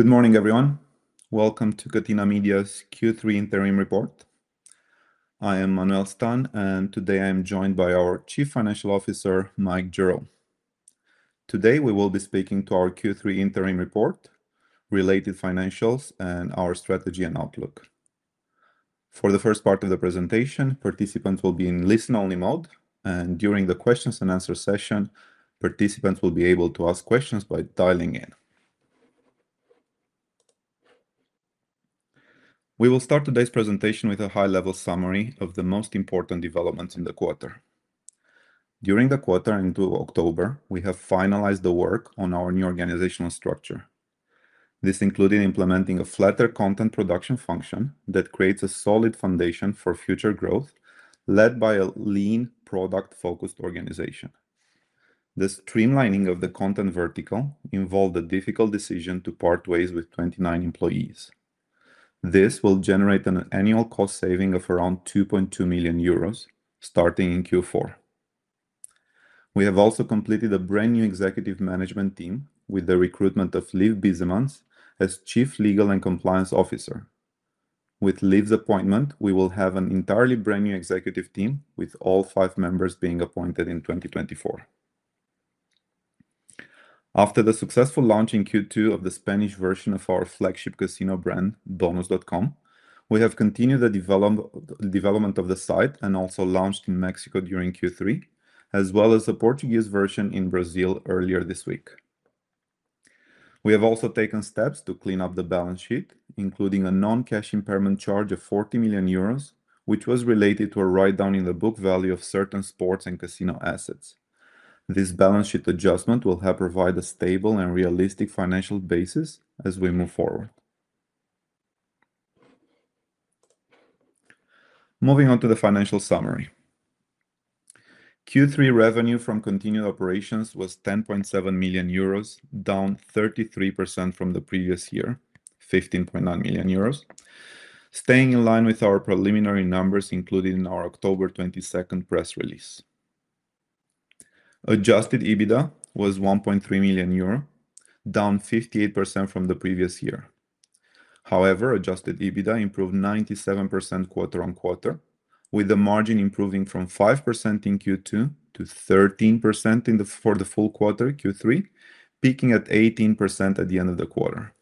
Good morning, everyone. Welcome to Catena Media's Q3 Interim Report. I am Manuel Stan, and today I am joined by our Chief Financial Officer, Mike Gerrow. Today we will be speaking to our Q3 Interim Report, related financials, and our strategy and outlook. For the first part of the presentation, participants will be in listen-only mode, and during the Q&A session, participants will be able to ask questions by dialing in. We will start today's presentation with a high-level summary of the most important developments in the quarter. During the quarter into October, we have finalized the work on our new organizational structure. This included implementing a flatter content production function that creates a solid foundation for future growth, led by a lean, product-focused organization. The streamlining of the content vertical involved a difficult decision to part ways with 29 employees. This will generate an annual cost saving of around 2.2 million euros starting in Q4. We have also completed a brand-new executive management team with the recruitment of Liv Biesemans as Chief Legal and Compliance Officer. With Liv's appointment, we will have an entirely brand-new executive team, with all five members being appointed in 2024. After the successful launch in Q2 of the Spanish version of our flagship casino brand, Bonus.com, we have continued the development of the site and also launched in Mexico during Q3, as well as the Portuguese version in Brazil earlier this week. We have also taken steps to clean up the balance sheet, including a non-cash impairment charge of 40 million euros, which was related to a write-down in the book value of certain sports and casino assets. This balance sheet adjustment will help provide a stable and realistic financial basis as we move forward. Moving on to the financial summary. Q3 revenue from continued operations was 10.7 million euros, down 33% from the previous year, 15.9 million euros, staying in line with our preliminary numbers included in our October 22 press release. Adjusted EBITDA was 1.3 million euro, down 58% from the previous year. However, adjusted EBITDA improved 97% quarter-on-quarter, with the margin improving from 5% in Q2 to 13% for the full quarter, Q3, peaking at 18% at the end of the quarter.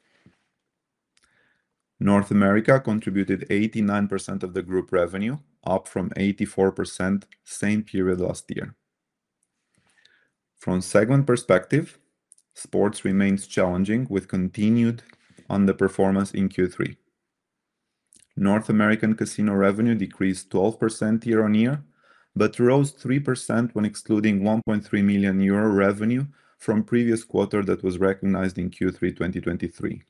North America contributed 89% of the group revenue, up from 84% same period last year. From a segment perspective, sports remains challenging, with continued underperformance in Q3. North American casino revenue decreased 12% year-on-year but rose 3% when excluding 1.3 million euro revenue from previous quarter that was recognized in Q3 2023.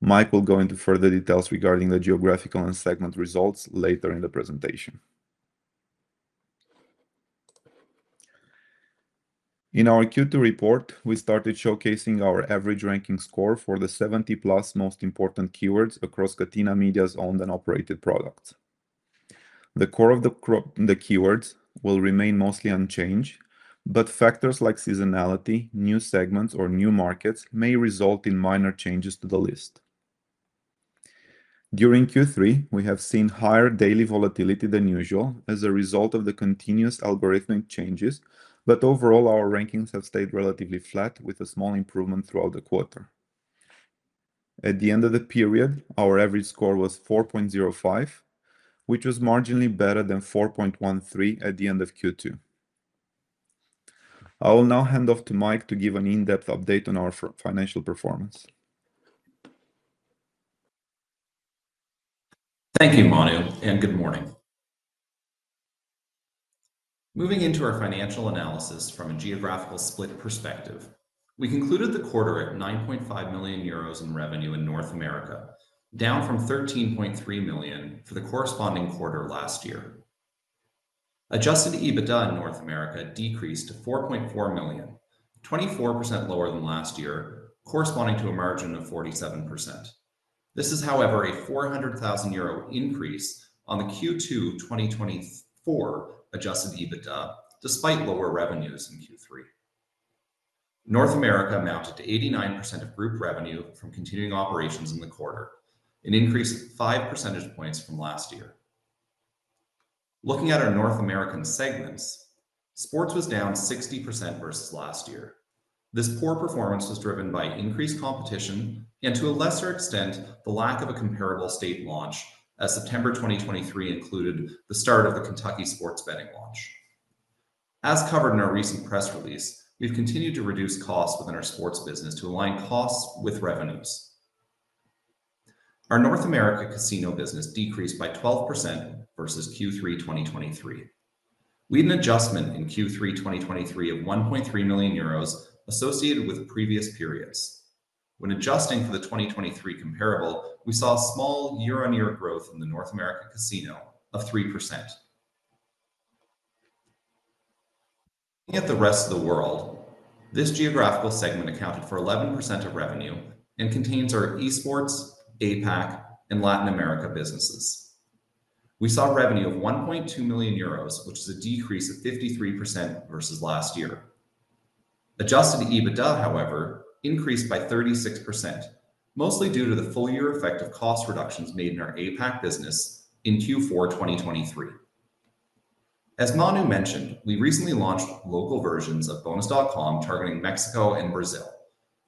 Mike will go into further details regarding the geographical and segment results later in the presentation. In our Q2 report, we started showcasing our average ranking score for the 70-plus most important keywords across Catena Media's owned and operated products. The core of the keywords will remain mostly unchanged, but factors like seasonality, new segments, or new markets may result in minor changes to the list. During Q3, we have seen higher daily volatility than usual as a result of the continuous algorithmic changes, but overall, our rankings have stayed relatively flat, with a small improvement throughout the quarter. At the end of the period, our average score was 4.05, which was marginally better than 4.13 at the end of Q2. I will now hand off to Mike to give an in-depth update on our financial performance. Thank you, Manuel, and good morning. Moving into our financial analysis from a geographical split perspective, we concluded the quarter at 9.5 million euros in revenue in North America, down from 13.3 million for the corresponding quarter last year. Adjusted EBITDA in North America decreased to 4.4 million, 24% lower than last year, corresponding to a margin of 47%. This is, however, a 400,000 euro increase on the Q2 2024 adjusted EBITDA, despite lower revenues in Q3. North America amounted to 89% of group revenue from continuing operations in the quarter, an increase of 5 percentage points from last year. Looking at our North American segments, sports was down 60% versus last year. This poor performance was driven by increased competition and, to a lesser extent, the lack of a comparable state launch, as September 2023 included the start of the Kentucky sports betting launch. As covered in our recent press release, we've continued to reduce costs within our sports business to align costs with revenues. Our North America casino business decreased by 12% versus Q3 2023. We had an adjustment in Q3 2023 of 1.3 million euros associated with previous periods. When adjusting for the 2023 comparable, we saw a small year-on-year growth in the North America casino of 3%. Looking at the rest of the world, this geographical segment accounted for 11% of revenue and contains our eSports, APAC, and Latin America businesses. We saw revenue of 1.2 million euros, which is a decrease of 53% versus last year. Adjusted EBITDA, however, increased by 36%, mostly due to the full-year effect of cost reductions made in our APAC business in Q4 2023. As Manuel mentioned, we recently launched local versions of Bonus.com targeting Mexico and Brazil.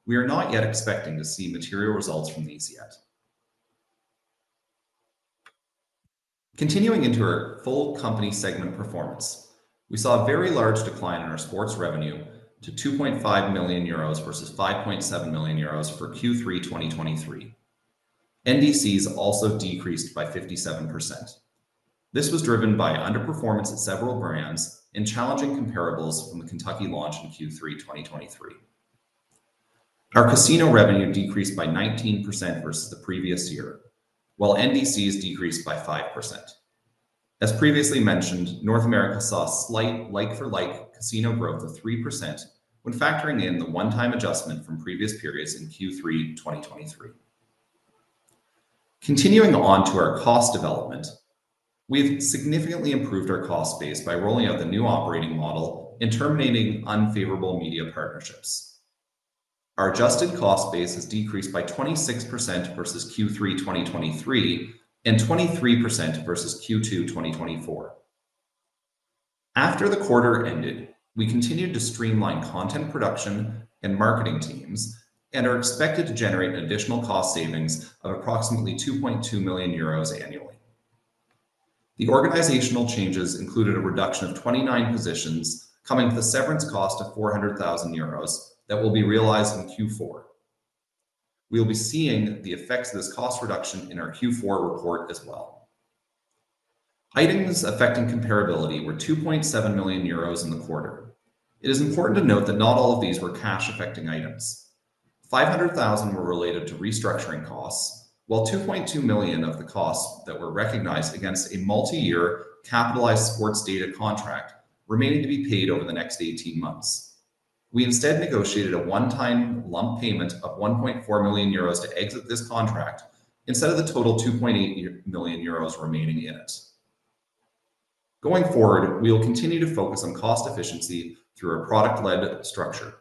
We are not yet expecting to see material results from these yet. Continuing into our full company segment performance, we saw a very large decline in our sports revenue to €2.5 million versus €5.7 million for Q3 2023. NDCs also decreased by 57%. This was driven by underperformance at several brands and challenging comparables from the Kentucky launch in Q3 2023. Our casino revenue decreased by 19% versus the previous year, while NDCs decreased by 5%. As previously mentioned, North America saw slight like-for-like casino growth of 3% when factoring in the one-time adjustment from previous periods in Q3 2023. Continuing on to our cost development, we've significantly improved our cost base by rolling out the new operating model and terminating unfavorable media partnerships. Our adjusted cost base has decreased by 26% versus Q3 2023 and 23% versus Q2 2024. After the quarter ended, we continued to streamline content production and marketing teams and are expected to generate additional cost savings of approximately 2.2 million euros annually. The organizational changes included a reduction of 29 positions, coming with a severance cost of 400,000 euros that will be realized in Q4. We will be seeing the effects of this cost reduction in our Q4 report as well. Items affecting comparability were 2.7 million euros in the quarter. It is important to note that not all of these were cash-affecting items. 500,000 were related to restructuring costs, while 2.2 million of the costs that were recognized against a multi-year capitalized sports data contract remained to be paid over the next 18 months. We instead negotiated a one-time lump payment of 1.4 million euros to exit this contract instead of the total 2.8 million euros remaining in it. Going forward, we will continue to focus on cost efficiency through our product-led structure.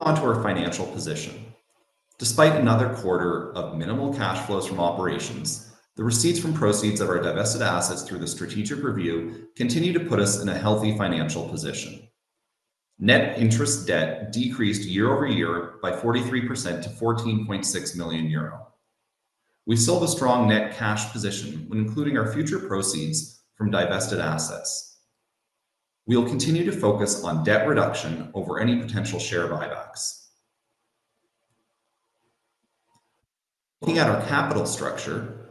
Moving on to our financial position. Despite another quarter of minimal cash flows from operations, the receipts from proceeds of our divested assets through the strategic review continue to put us in a healthy financial position. Net interest debt decreased year-over-year by 43% to 14.6 million euro. We still have a strong net cash position when including our future proceeds from divested assets. We will continue to focus on debt reduction over any potential share buybacks. Looking at our capital structure,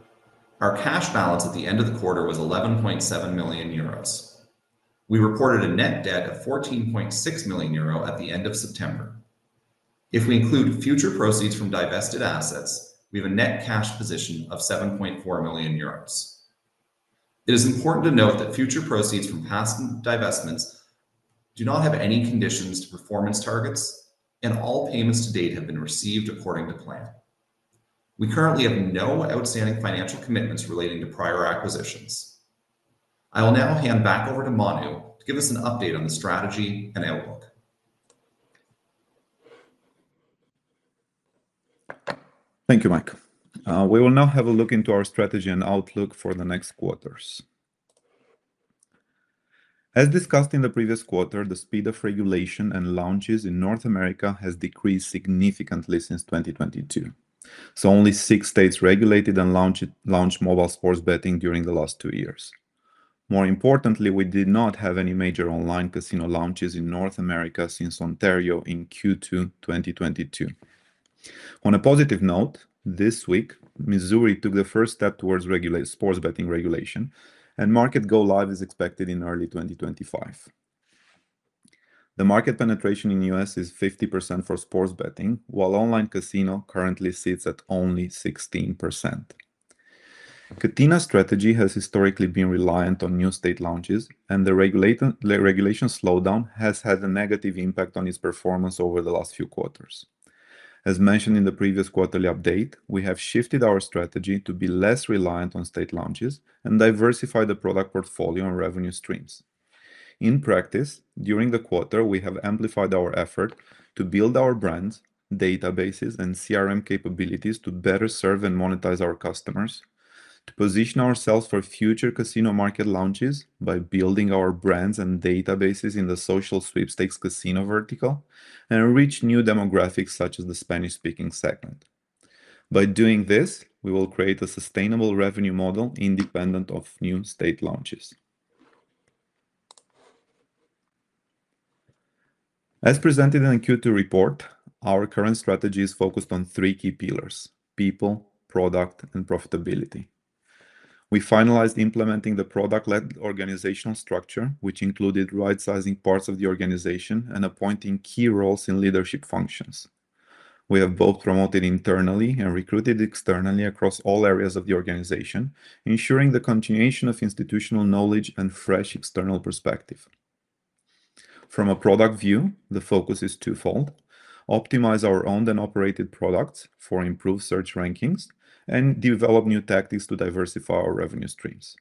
our cash balance at the end of the quarter was 11.7 million euros. We reported a net debt of 14.6 million euro at the end of September. If we include future proceeds from divested assets, we have a net cash position of 7.4 million euros. It is important to note that future proceeds from past divestments do not have any conditions to performance targets, and all payments to date have been received according to plan. We currently have no outstanding financial commitments relating to prior acquisitions. I will now hand back over to Manuel to give us an update on the strategy and outlook. Thank you, Mike. We will now have a look into our strategy and outlook for the next quarters. As discussed in the previous quarter, the speed of regulation and launches in North America has decreased significantly since 2022, so only six states regulated and launched mobile sports betting during the last two years. More importantly, we did not have any major online casino launches in North America since Ontario in Q2 2022. On a positive note, this week, Missouri took the first step towards sports betting regulation, and market go-live is expected in early 2025. The market penetration in the U.S. is 50% for sports betting, while online casino currently sits at only 16%. Catena's strategy has historically been reliant on new state launches, and the regulation slowdown has had a negative impact on its performance over the last few quarters. As mentioned in the previous quarterly update, we have shifted our strategy to be less reliant on state launches and diversify the product portfolio and revenue streams. In practice, during the quarter, we have amplified our effort to build our brands, databases, and CRM capabilities to better serve and monetize our customers, to position ourselves for future casino market launches by building our brands and databases in the social sweepstakes casino vertical and reach new demographics such as the Spanish-speaking segment. By doing this, we will create a sustainable revenue model independent of new state launches. As presented in the Q2 report, our current strategy is focused on three key pillars: people, product, and profitability. We finalized implementing the product-led organizational structure, which included right-sizing parts of the organization and appointing key roles in leadership functions. We have both promoted internally and recruited externally across all areas of the organization, ensuring the continuation of institutional knowledge and fresh external perspective. From a product view, the focus is twofold: optimize our owned and operated products for improved search rankings and develop new tactics to diversify our revenue streams.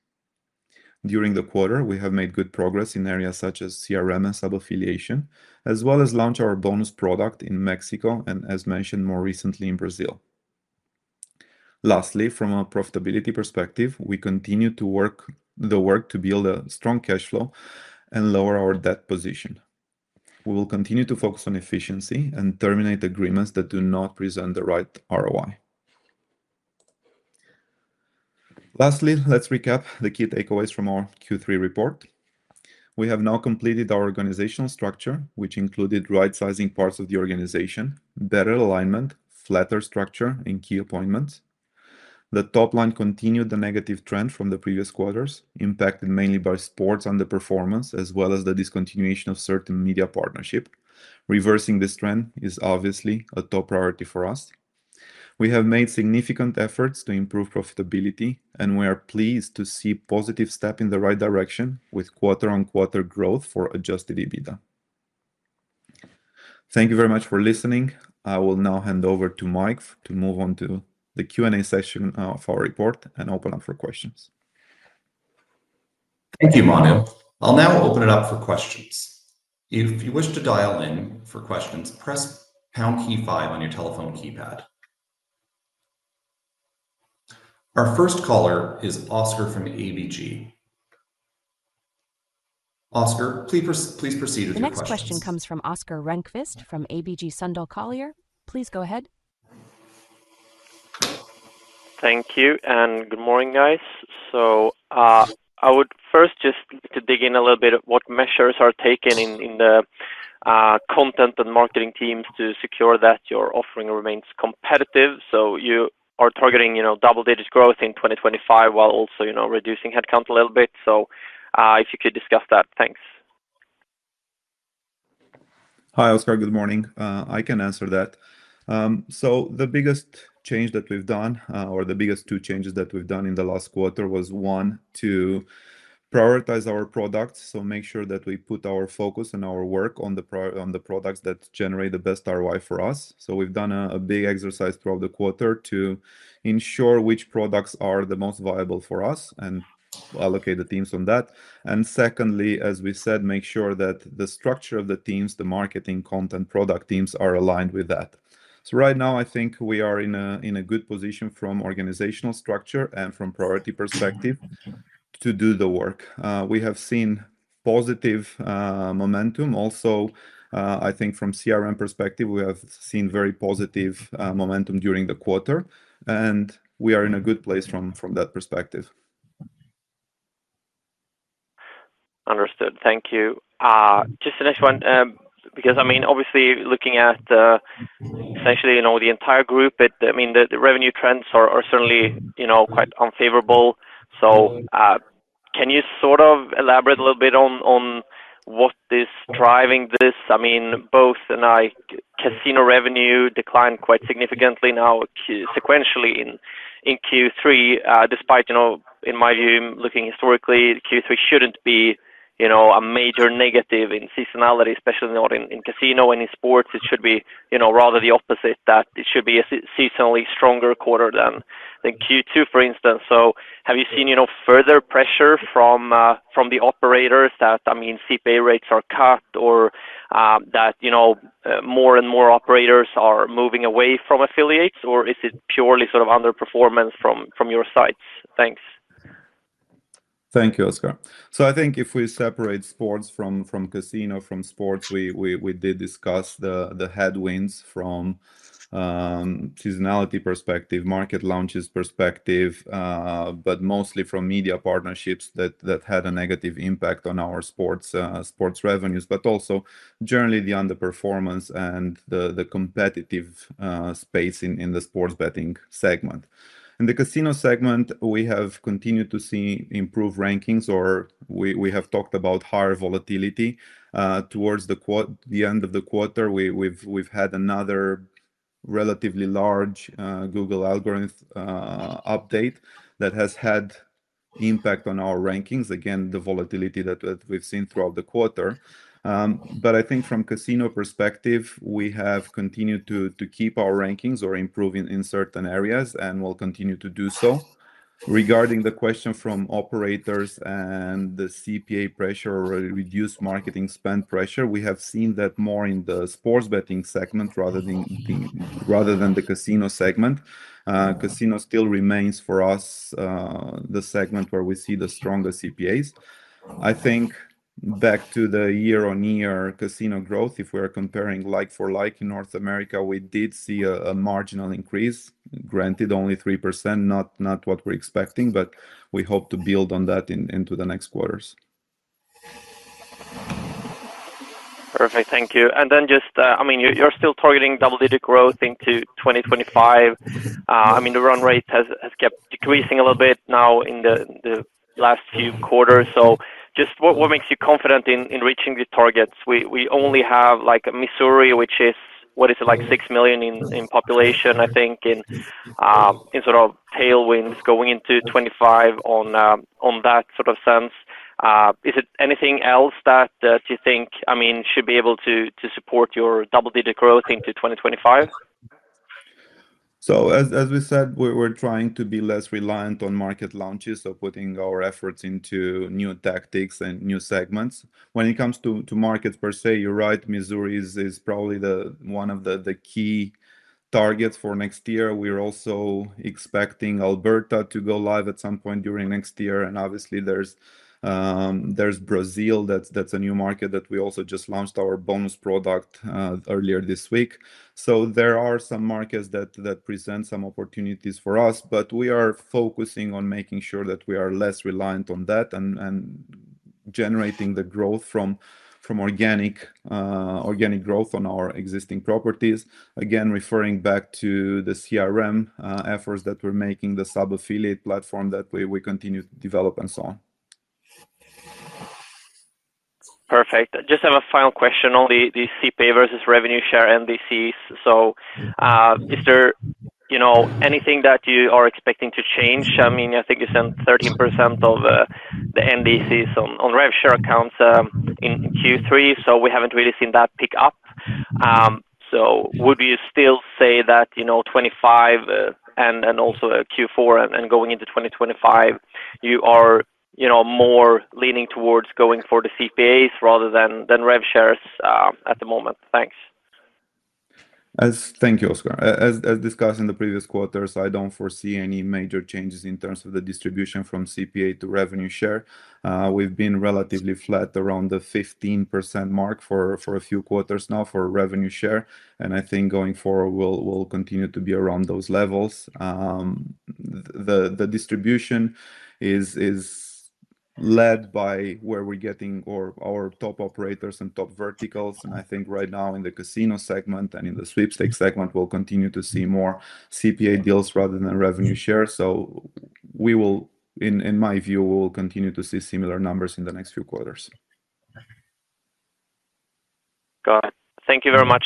During the quarter, we have made good progress in areas such as CRM and sub-affiliation, as well as launch our bonus product in Mexico and, as mentioned more recently, in Brazil. Lastly, from a profitability perspective, we continue to work to build a strong cash flow and lower our debt position. We will continue to focus on efficiency and terminate agreements that do not present the right ROI. Lastly, let's recap the key takeaways from our Q3 report. We have now completed our organizational structure, which included right-sizing parts of the organization, better alignment, flatter structure, and key appointments. The top line continued the negative trend from the previous quarters, impacted mainly by sports underperformance as well as the discontinuation of certain media partnerships. Reversing this trend is obviously a top priority for us. We have made significant efforts to improve profitability, and we are pleased to see positive steps in the right direction with quarter-on-quarter growth for Adjusted EBITDA. Thank you very much for listening. I will now hand over to Mike to move on to the Q&A session of our report and open up for questions. Thank you, Manuel. I'll now open it up for questions. If you wish to dial in for questions, press #5 on your telephone keypad. Our first caller is Oscar from ABG. Oscar, please proceed with your question. The next question comes from Oscar Rönnkvist from ABG Sundal Collier. Please go ahead. Thank you and good morning, guys. So I would first just like to dig into a little bit what measures are taken in the content and marketing teams to ensure that your offering remains competitive. So you are targeting double-digit growth in 2025 while also reducing headcount a little bit. So if you could discuss that, thanks. Hi, Oscar. Good morning. I can answer that. So the biggest change that we've done, or the biggest two changes that we've done in the last quarter, was, one, to prioritize our products. So make sure that we put our focus and our work on the products that generate the best ROI for us. So we've done a big exercise throughout the quarter to ensure which products are the most viable for us and allocate the teams on that. And secondly, as we said, make sure that the structure of the teams, the marketing, content, product teams are aligned with that. So right now, I think we are in a good position from organizational structure and from priority perspective to do the work. We have seen positive momentum. Also, I think from CRM perspective, we have seen very positive momentum during the quarter, and we are in a good place from that perspective. Understood. Thank you. Just the next one, because I mean, obviously, looking at essentially the entire group, I mean, the revenue trends are certainly quite unfavorable. So can you sort of elaborate a little bit on what is driving this? I mean, both casino revenue declined quite significantly now sequentially in Q3, despite, in my view, looking historically, Q3 shouldn't be a major negative in seasonality, especially not in casino and in sports. It should be rather the opposite, that it should be a seasonally stronger quarter than Q2, for instance. So have you seen further pressure from the operators that, I mean, CPA rates are cut or that more and more operators are moving away from affiliates, or is it purely sort of underperformance from your side? Thanks. Thank you, Oscar. So I think if we separate sports from casino, from sports, we did discuss the headwinds from seasonality perspective, market launches perspective, but mostly from media partnerships that had a negative impact on our sports revenues, but also generally the underperformance and the competitive space in the sports betting segment. In the casino segment, we have continued to see improved rankings, or we have talked about higher volatility. Towards the end of the quarter, we've had another relatively large Google algorithm update that has had impact on our rankings. Again, the volatility that we've seen throughout the quarter. But I think from casino perspective, we have continued to keep our rankings or improve in certain areas and will continue to do so. Regarding the question from operators and the CPA pressure or reduced marketing spend pressure, we have seen that more in the sports betting segment rather than the casino segment. Casino still remains, for us, the segment where we see the strongest CPAs. I think back to the year-on-year casino growth, if we are comparing like-for-like in North America, we did see a marginal increase, granted only 3%, not what we're expecting, but we hope to build on that into the next quarters. Perfect. Thank you. And then just, I mean, you're still targeting double-digit growth into 2025. I mean, the run rate has kept decreasing a little bit now in the last few quarters. So just what makes you confident in reaching the targets? We only have Missouri, which is, what is it, like six million in population, I think, in sort of tailwinds going into 2025 on that sort of sense. Is it anything else that you think, I mean, should be able to support your double-digit growth into 2025? So as we said, we're trying to be less reliant on market launches, so putting our efforts into new tactics and new segments. When it comes to markets per se, you're right, Missouri is probably one of the key targets for next year. We're also expecting Alberta to go live at some point during next year. And obviously, there's Brazil that's a new market that we also just launched our bonus product earlier this week. So there are some markets that present some opportunities for us, but we are focusing on making sure that we are less reliant on that and generating the growth from organic growth on our existing properties. Again, referring back to the CRM efforts that we're making, the sub-affiliate platform that we continue to develop and so on. Perfect. Just have a final question on the CPA versus revenue share NDCs. So is there anything that you are expecting to change? I mean, I think you sent 13% of the NDCs on rev share accounts in Q3, so we haven't really seen that pick up. So would you still say that 2025 and also Q4 and going into 2025, you are more leaning towards going for the CPAs rather than rev shares at the moment? Thanks. Thank you, Oscar. As discussed in the previous quarters, I don't foresee any major changes in terms of the distribution from CPA to revenue share. We've been relatively flat around the 15% mark for a few quarters now for revenue share, and I think going forward, we'll continue to be around those levels. The distribution is led by where we're getting our top operators and top verticals, and I think right now in the casino segment and in the sweepstakes segment, we'll continue to see more CPA deals rather than revenue share, so we will, in my view, we will continue to see similar numbers in the next few quarters. Got it. Thank you very much.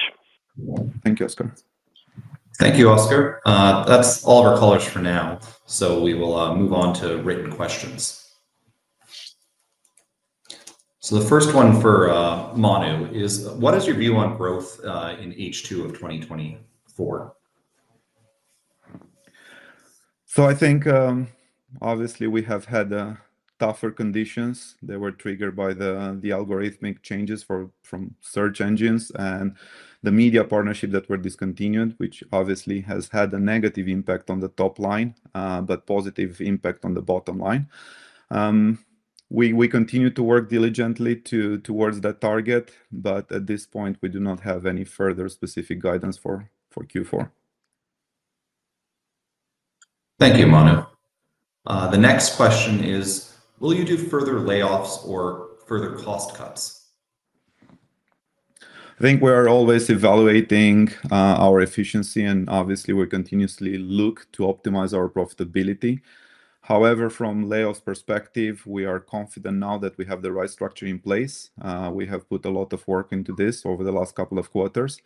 Thank you, Oscar. Thank you, Oscar. That's all of our callers for now. So we will move on to written questions. So the first one for Manu is, what is your view on growth in H2 of 2024? So I think, obviously, we have had tougher conditions. They were triggered by the algorithmic changes from search engines and the media partnership that were discontinued, which obviously has had a negative impact on the top line, but positive impact on the bottom line. We continue to work diligently towards that target, but at this point, we do not have any further specific guidance for Q4. Thank you, Manu. The next question is, will you do further layoffs or further cost cuts? I think we are always evaluating our efficiency, and obviously, we continuously look to optimize our profitability. However, from a layoff perspective, we are confident now that we have the right structure in place. We have put a lot of work into this over the last couple of quarters.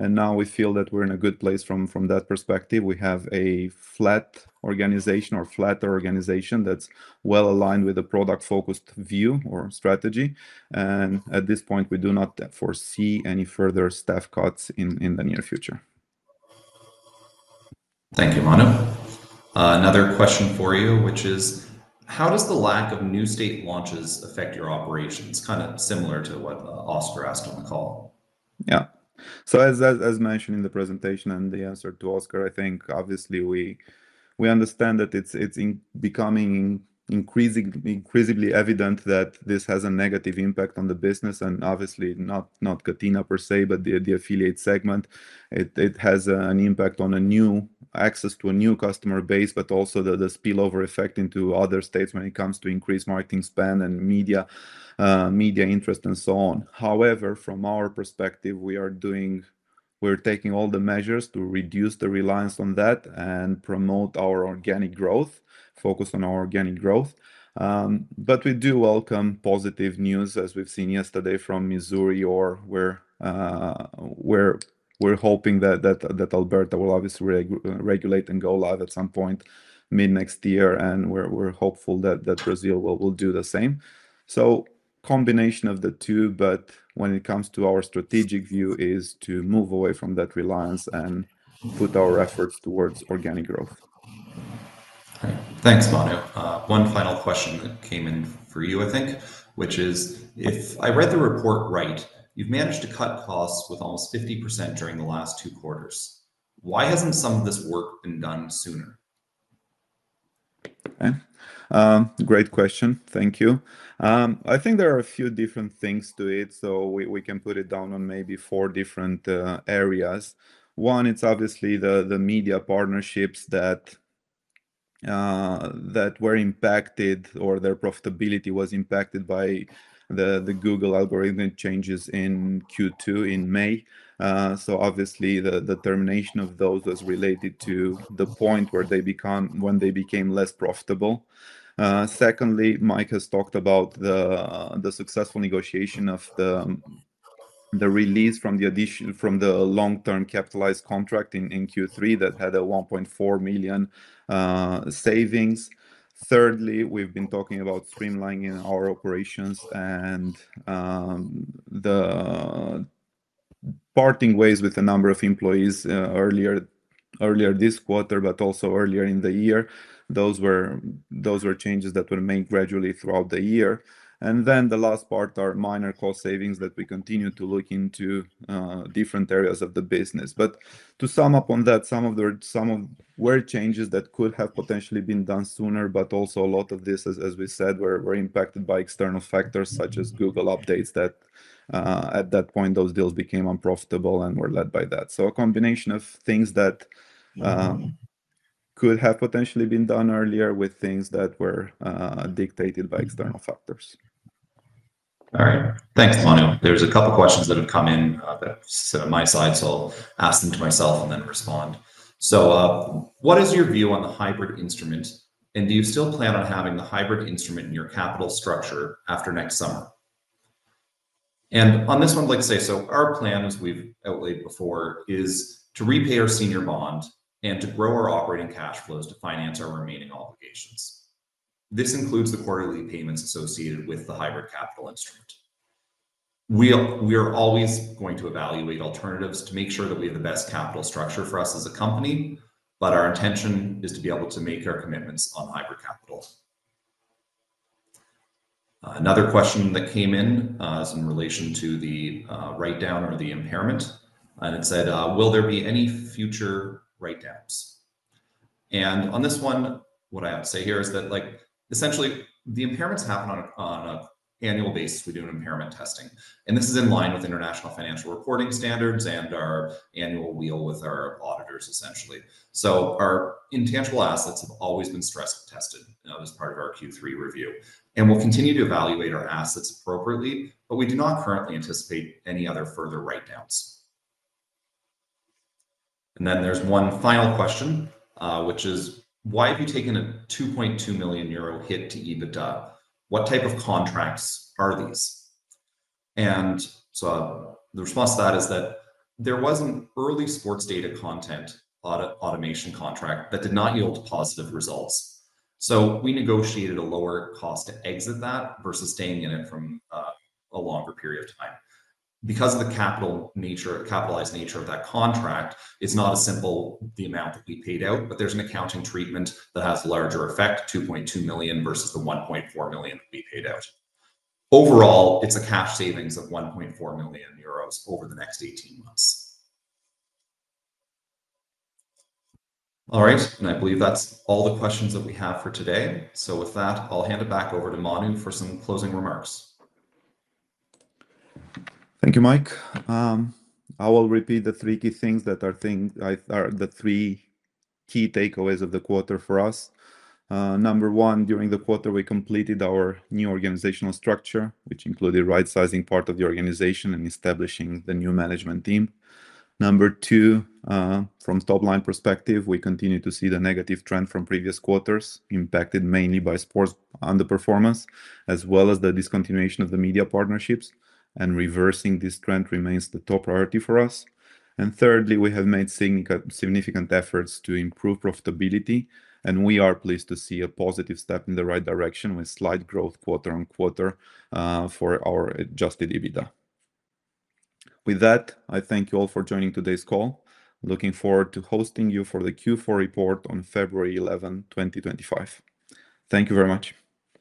And now we feel that we're in a good place from that perspective. We have a flat organization or flatter organization that's well aligned with the product-focused view or strategy. And at this point, we do not foresee any further staff cuts in the near future. Thank you, Manu. Another question for you, which is, how does the lack of new state launches affect your operations? Kind of similar to what Oscar asked on the call. Yeah. So, as mentioned in the presentation and the answer to Oscar, I think, obviously, we understand that it's becoming increasingly evident that this has a negative impact on the business, and obviously, not Catena per se, but the affiliate segment. It has an impact on access to a new customer base, but also the spillover effect into other states when it comes to increased marketing spend and media interest and so on. However, from our perspective, we are taking all the measures to reduce the reliance on that and promote our organic growth, focus on our organic growth. We do welcome positive news, as we've seen yesterday from Missouri, where we're hoping that Alberta will obviously regulate and go live at some point mid-next year. We're hopeful that Brazil will do the same. So, combination of the two, but when it comes to our strategic view, is to move away from that reliance and put our efforts towards organic growth. Great. Thanks, Manu. One final question that came in for you, I think, which is, if I read the report right, you've managed to cut costs with almost 50% during the last two quarters. Why hasn't some of this work been done sooner? Okay. Great question. Thank you. I think there are a few different things to it. So we can put it down on maybe four different areas. One, it's obviously the media partnerships that were impacted or their profitability was impacted by the Google algorithmic changes in Q2 in May. So obviously, the termination of those was related to the point where they became less profitable. Secondly, Mike has talked about the successful negotiation of the release from the long-term capitalized contract in Q3 that had 1.4 million savings. Thirdly, we've been talking about streamlining our operations and parting ways with a number of employees earlier this quarter, but also earlier in the year. Those were changes that were made gradually throughout the year, and then the last part are minor cost savings that we continue to look into different areas of the business. But to sum up on that, some of the changes that could have potentially been done sooner, but also a lot of this, as we said, were impacted by external factors such as Google updates that at that point, those deals became unprofitable and were led by that. So a combination of things that could have potentially been done earlier with things that were dictated by external factors. All right. Thanks, Manu. There's a couple of questions that have come in that are sent on my side, so I'll ask them to myself and then respond. So what is your view on the hybrid instrument, and do you still plan on having the hybrid instrument in your capital structure after next summer? Our plan, as we've outlined before, is to repay our senior bond and to grow our operating cash flows to finance our remaining obligations. This includes the quarterly payments associated with the hybrid capital instrument. We are always going to evaluate alternatives to make sure that we have the best capital structure for us as a company, but our intention is to be able to make our commitments on hybrid capital. Another question that came in is in relation to the write-down or the impairment. It said, "Will there be any future write-downs?" On this one, what I have to say here is that essentially, the impairments happen on an annual basis. We do impairment testing. This is in line with international financial reporting standards and our annual deal with our auditors, essentially. Our intangible assets have always been stress-tested as part of our Q3 review. We'll continue to evaluate our assets appropriately, but we do not currently anticipate any other further write-downs. Then there's one final question, which is, "Why have you taken a 2.2 million euro hit to EBITDA? What type of contracts are these?" The response to that is that there was an early sports data content automation contract that did not yield positive results. We negotiated a lower cost to exit that versus staying in it for a longer period of time. Because of the capitalized nature of that contract, it's not as simple as the amount that we paid out, but there's an accounting treatment that has a larger effect, 2.2 million EUR versus the 1.4 million EUR that we paid out. Overall, it's a cash savings of 1.4 million euros over the next 18 months. All right. And I believe that's all the questions that we have for today. So with that, I'll hand it back over to Manu for some closing remarks. Thank you, Mike. I will repeat the three key things that are the three key takeaways of the quarter for us. Number one, during the quarter, we completed our new organizational structure, which included right-sizing part of the organization and establishing the new management team. Number two, from top-line perspective, we continue to see the negative trend from previous quarters impacted mainly by sports underperformance, as well as the discontinuation of the media partnerships. And reversing this trend remains the top priority for us. And thirdly, we have made significant efforts to improve profitability. And we are pleased to see a positive step in the right direction with slight growth quarter on quarter for our Adjusted EBITDA. With that, I thank you all for joining today's call. Looking forward to hosting you for the Q4 report on February 11, 2025. Thank you very much.